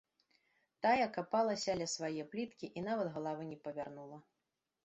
Тая капалася ля свае пліткі і нават галавы не павярнула.